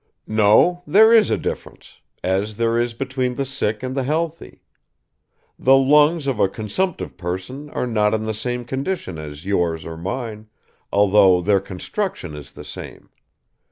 "No, there is a difference, as there is between the sick and the healthy. The lungs of a consumptive person are not in the same condition as yours or mine, although their construction is the same.